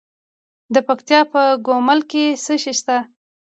د پکتیکا په ګومل کې څه شی شته؟